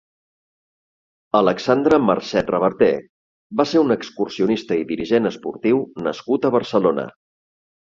Alexandre Marcet Reverté va ser un excursionista i dirigent esportiu nascut a Barcelona.